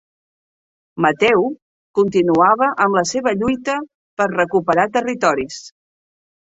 Mateu continuava amb la seva lluita per recuperar territoris.